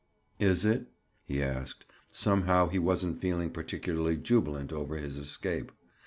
"Is it?" he asked. Somehow he wasn't feeling particularly jubilant over his escape.